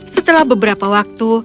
setelah beberapa waktu